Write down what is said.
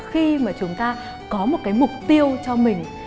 khi mà chúng ta có một cái mục tiêu cho mình